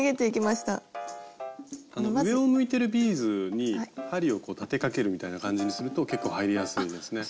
上を向いてるビーズに針を立てかけるみたいな感じにすると結構入りやすいですね。